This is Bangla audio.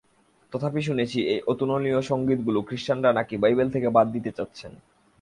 তথাপি শুনেছি, এই অতুলনীয় সঙ্গীতগুলি খ্রীষ্টানরা নাকি বাইবেল থেকে বাদ দিতে চাচ্ছেন।